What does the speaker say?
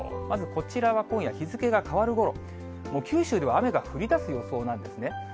まずこちらは今夜、日付が変わるころ、九州では雨が降りだす予想なんですね。